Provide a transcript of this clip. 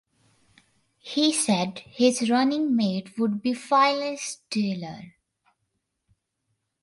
He said his running mate would be Phyllis Diller.